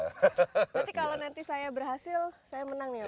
berarti kalau nanti saya berhasil saya menang nih ya